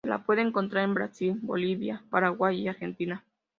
Se la puede encontrar en Brasil, Bolivia, Paraguay y Argentina.